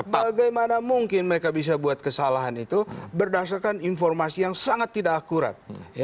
bagaimana mungkin mereka bisa buat kesalahan itu berdasarkan informasi yang sangat tidak akurat